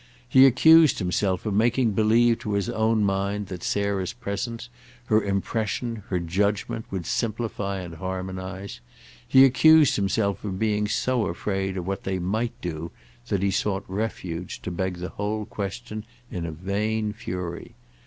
He accused himself of making believe to his own mind that Sarah's presence, her impression, her judgement would simplify and harmonise, he accused himself of being so afraid of what they might do that he sought refuge, to beg the whole question, in a vain fury.